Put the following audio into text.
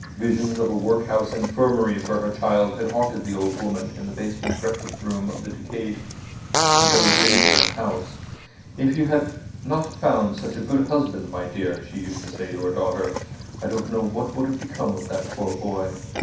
Visions of a workhouse infirmary for her child had haunted the old woman in the basement breakfast room of the decayed Belgravian house. "If you had not found such a good husband, my dear," she used to say to her daughter, "I don't know what would have become of that poor boy."